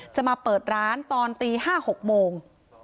จะมาเปิดร้านตอนตี๕๖โมง